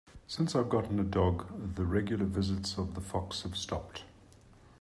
Since I've gotten a dog, the regular visits of the fox have stopped.